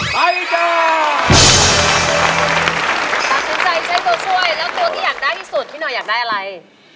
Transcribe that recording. ไปจ้าตัดสินใจใช้ตัวช่วยแล้วตัวที่อยากได้ที่สุดพี่หน่อยอยากได้อะไร